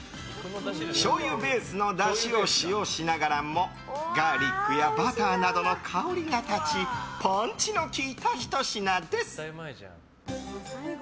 しょうゆベースのだしを使用しながらもガーリックやバターなどの香りが立ちパンチの効いたひと品です。